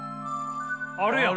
あるやん！